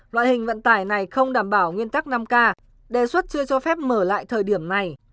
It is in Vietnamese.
loại hình vận tải này không đảm bảo nguyên tắc năm k đề xuất chưa cho phép mở lại thời điểm này